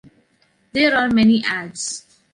There are many ads.